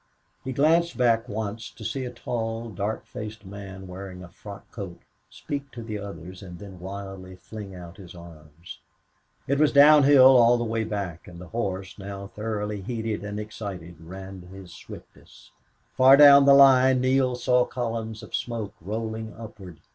He glanced back once to see a tall, dark faced man wearing a frock coat speak to the others and then wildly fling out his arms. It was down hill on the way back, and the horse, now thoroughly heated and excited, ran his swiftest. Far down the line Neale saw columns of smoke rolling upward.